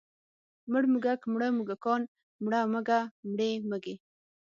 مړ موږک، مړه موږکان، مړه مږه، مړې مږې.